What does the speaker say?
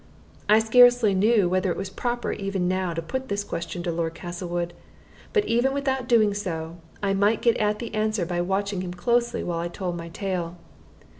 I scarcely knew whether it was proper even now to put this question to Lord Castlewood; but even without doing so, I might get at the answer by watching him closely while I told my tale.